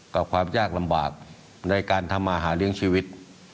ความยากลำบากในการทำมาหาเลี้ยงชีวิต